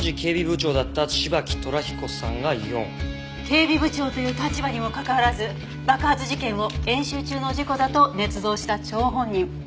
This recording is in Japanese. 警備部長という立場にもかかわらず爆発事件を演習中の事故だとねつ造した張本人。